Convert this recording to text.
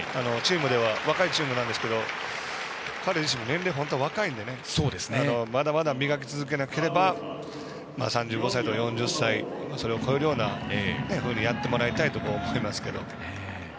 若いチームなんですけど彼自身、年齢も若いのでまだまだ磨き続けなければ３５歳とか４０歳を超えるまでやってもらいたいですけど。